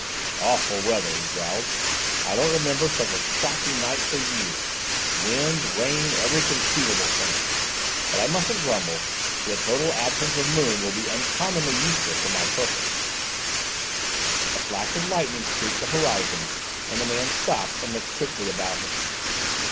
"Awful weather!" he growled: "I don't remember such a shocking night for years: wind, rain, every conceivable thing! But I mustn't grumble, for the total absence of moon will be uncommonly useful for my purpose." A flash of lightning streaked the horizon, and the man stopped and looked quickly about him.